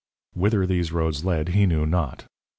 _ Whither these roads led he knew not.